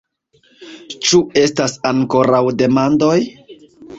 Ĉu estas ankoraŭ demandoj?